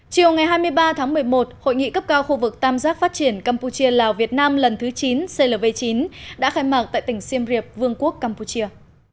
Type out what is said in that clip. chiều ngày hai mươi ba tháng một mươi một hội nghị cấp cao khu vực tam giác phát triển campuchia lào việt nam lần thứ chín clv chín đã khai mạc tại tỉnh siêm riệp vương quốc campuchia